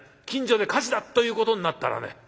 近所で火事だということになったらね